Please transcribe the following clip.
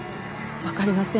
わかりません。